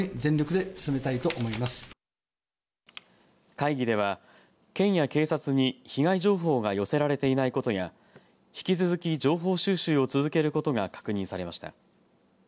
会議では県や警察に、被害情報が寄せられていないことや引き続き情報収集を続けることが確認されました。